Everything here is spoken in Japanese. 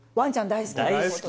大好き！